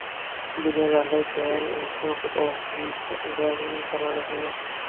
দিনের আলোয় কেন এসব অভিযান চালানো হয় না?